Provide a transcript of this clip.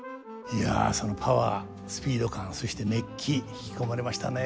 いやそのパワースピード感そして熱気引き込まれましたね。